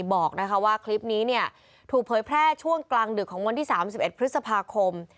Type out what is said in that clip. บอกนะคะว่าคลิปนี้เนี่ยถูกเผยแพร่ช่วงกลางดึกของวันที่สามสิบเอ็ดพฤษภาคม